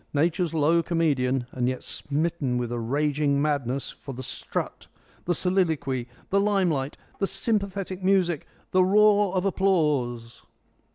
Nature's low comedian, and yet smitten with a raging madness for the strut, the soliloquy, the limelight, the sympathetic music, the roar of applause!